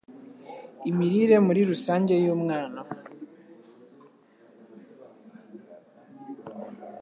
imirire muri rusange y'umwana.